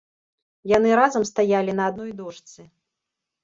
Яны разам стаялі на адной дошцы.